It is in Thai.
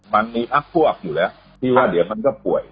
มันมีพักพวกอยู่แล้วที่ว่าเดี๋ยวมันก็ป่วย